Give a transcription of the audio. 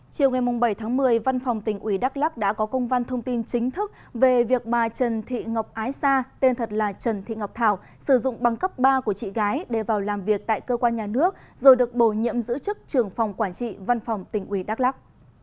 chiều ngày bảy tháng một mươi văn phòng tỉnh ủy đắk lắc đã có công văn thông tin chính thức về việc bà trần thị ngọc ái sa tên thật là trần thị ngọc thảo sử dụng băng cấp ba của chị gái để vào làm việc tại cơ quan nhà nước rồi được bổ nhiệm giữ chức trưởng phòng quản trị văn phòng tỉnh ủy đắk lắc